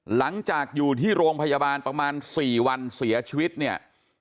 หลังจากอยู่ที่โรงพยาบาลประมาณ๔วันเสียชีวิตเนี่ย